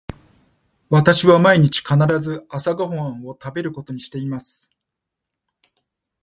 私は毎日必ず朝ご飯を食べることにしています。